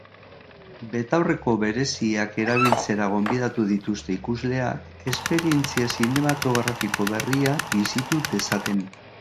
Betaurreko bereziak erabiltzera gonbidatu dituzte ikusleak, esperientzia zinematografiko berria bizitu dezaten.